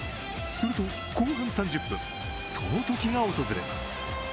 すると、後半３０分、そのときが訪れます。